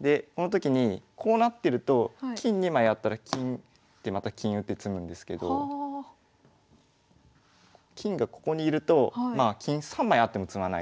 でこの時にこうなってると金２枚あったら金また金打って詰むんですけど金がここにいると金３枚あっても詰まないので。